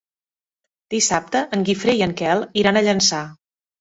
Dissabte en Guifré i en Quel iran a Llançà.